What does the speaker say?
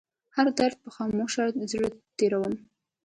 هر درد په خاموشه زړه تيروم